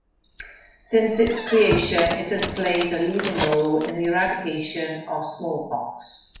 Since its creation, it has played a leading role in the eradication of smallpox.